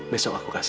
besok aku kasih